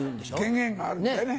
権限があるんでね。ね？